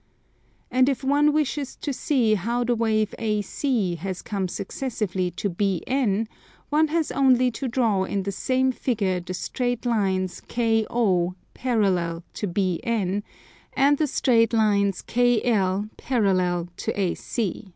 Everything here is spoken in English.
And if one wishes to see how the wave AC has come successively to BN, one has only to draw in the same figure the straight lines KO parallel to BN, and the straight lines KL parallel to AC.